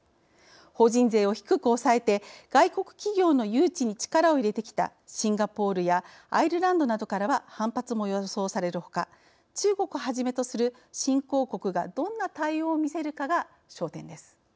法人税を低く抑えて外国企業の誘致に力を入れてきたシンガポールやアイルランドなどからは反発も予想されるほか中国をはじめとする新興国がどんな対応を見せるかが焦点です。